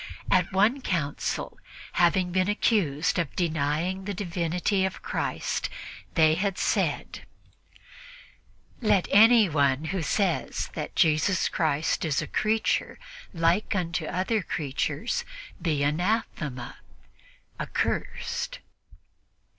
* At one council, having been accused of denying the Divinity of Christ, they had said: "Let anyone who says that Jesus Christ is a creature like unto other creatures be anathema" (accursed).